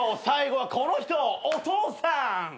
最後はこの人お父さん。